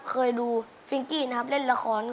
เคยดูฟิงกี้นะครับเล่นละคร